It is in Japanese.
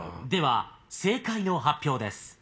では正解の発表です。